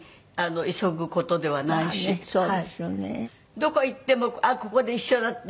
どこ行ってもあっここで一緒だった